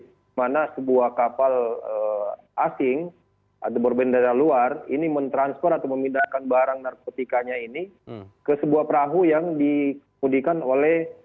di mana sebuah kapal asing atau berbendera luar ini mentransfer atau memindahkan barang narkotikanya ini ke sebuah perahu yang dikemudikan oleh